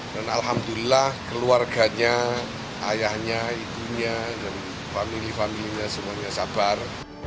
alhamdulillah keluarganya ayahnya ibunya dan famili familinya semuanya sabar